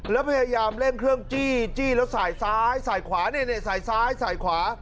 แล้วพยายามเร่งเครื่องจี้จี้แล้วสายซ้ายสายขวาเนี่ยสายซ้ายสายขวา